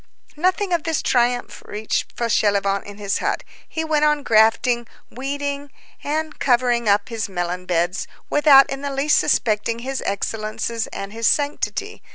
Nothing of this triumph reached Fauchelevent in his hut; he went on grafting, weeding, and covering up his melon beds, without in the least suspecting his excellences and his sanctity.